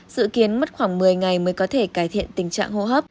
dự kiến mất khoảng một mươi ngày mới có thể cải thiện tình trạng hô hấp